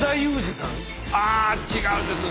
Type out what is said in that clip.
あ違うんですね。